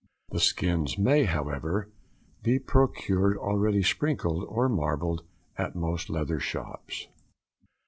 The skins may, however, be procured already sprinkled or marbled at most leather shops.